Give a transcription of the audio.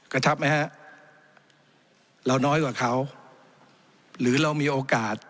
กระทบไหมฮะเราน้อยกว่าเขาหรือเรามีโอกาส